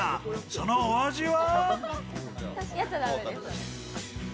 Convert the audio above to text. そのお味は？